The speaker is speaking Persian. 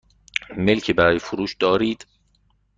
ملکی برای فروش دارید؟